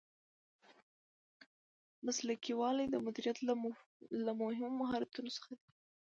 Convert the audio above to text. مسلکي والی د مدیریت له مهمو مهارتونو څخه دی.